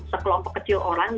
sekelompok kecil orang